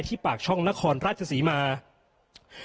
ที่ฝั่งช่องถ์ภพคลีของนครราชศิริมาธุ์